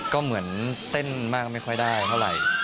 ก็เหมือนเต้นมากไม่ค่อยได้เท่าไหร่